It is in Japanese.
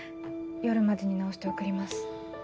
夜までに直して送ります